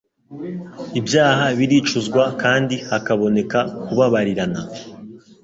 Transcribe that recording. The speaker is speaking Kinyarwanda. Ibyaha biricuzwa kandi hakaboneka kubabarirana.